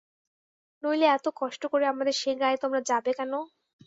নইলে এত কষ্ট করে আমাদের সে গাঁয়ে তোমরা যাবে কেন?